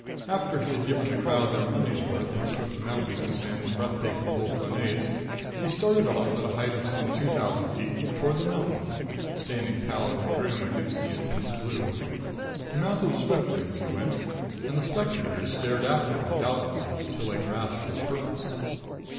After he had given the crowd their money's worth in swift mountings and breath taking vols planés, he started off, at a height of some two thousand feet, toward the mountain, standing pallid and grim against the intense blue. He mounted swiftly as he went, and the spectators stared after him doubtfully, till they grasped his purpose.